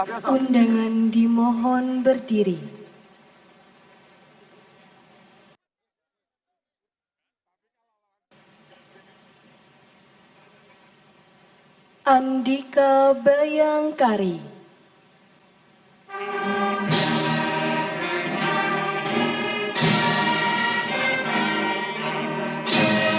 kembali ke tempat